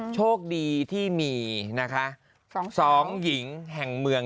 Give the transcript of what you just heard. โชคดีที่มีนะคะ๒หญิงแห่งเมือง